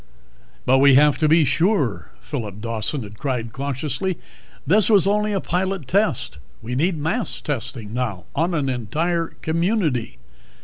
"But we have to be sure," Phillip Dawson had cried cautiously. "This was only a pilot test. We need mass testing now, on an entire community.